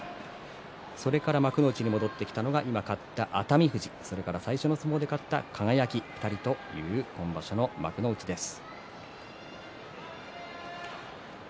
それから幕内に戻ってきたのは今、勝った熱海富士と、そして最初の相撲を取った輝という今場所です。